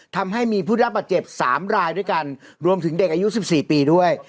ทำให้มีผู้รับบาดเจ็บ๓รายด้วยกันรวมถึงเด็กอายุ๑๔ปีด้วย